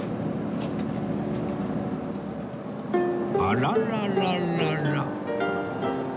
あららららら